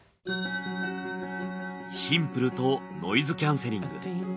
シンプルとノイズキャンセリング。